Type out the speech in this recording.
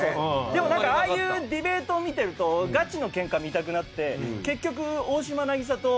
でもなんかああいうディベートを見てるとガチのケンカ見たくなって結局大島渚と野坂昭如の。